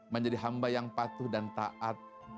menjadi hamba yang patuh dan taat